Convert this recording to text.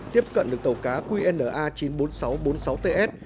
tiếp cận được tàu cá qna chín mươi bốn nghìn sáu trăm bốn mươi sáu ts